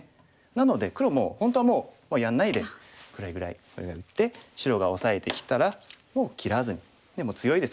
なので黒も本当はもうやらないでこれぐらいに打って白がオサえてきたらもう切らずにもう強いですから。